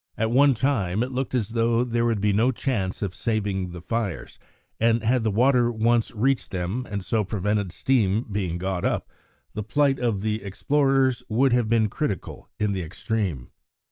At one time it looked as though there would be no chance of saving the fires, and had the water once reached them and so prevented steam being got up, the plight of the explorers would have been critical in the extreme.